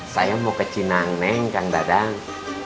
saya mau ke cinang neng kang dadang